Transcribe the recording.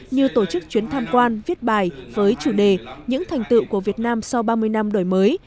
như tổ chức chuyến tham quan viết bài với chủ đề những thành tựu của việt nam sau ba mươi năm đổi mới